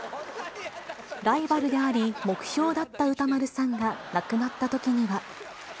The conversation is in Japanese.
ライバルであり、目標だった歌丸さんが亡くなったときには。